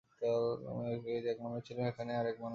আমি আমেরিকায় এক মানুষ ছিলাম, এখানে আর এক মানুষ হয়ে গেছি।